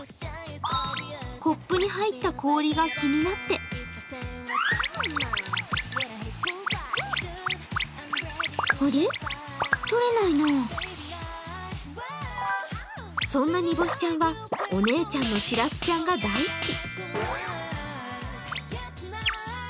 コップに入った氷が気になってそんな、にぼしちゃんは、お姉ちゃんのしらすちゃんが大好き。